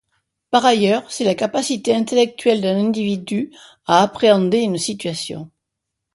Par ailleurs, c'est la capacité intellectuelle d'un individu à appréhender une situation.